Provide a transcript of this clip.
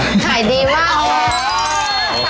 ขายดีบ้าง